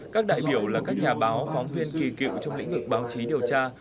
các đại biểu là các nhà báo phóng viên kỳ cựu trong lĩnh vực báo chí điều tra